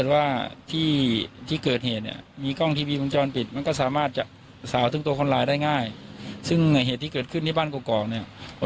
กาดีนี้ได้หรือไม่เพราะนะครับ